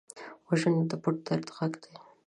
وژنه د پټ درد غږ دی